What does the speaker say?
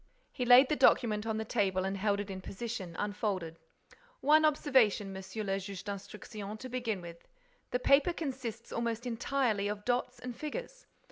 He laid the document on the table and held it in position, unfolded: "One observation, Monsieur le Juge d'Instruction, to begin with. The paper consists almost entirely of dots and figures.